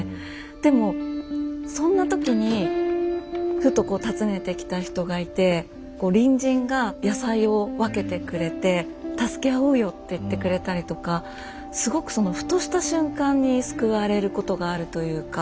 でもそんな時にふとこう訪ねてきた人がいてこう隣人が野菜を分けてくれて「助けあおうよ！」って言ってくれたりとかすごくそのふとした瞬間に救われることがあるというか。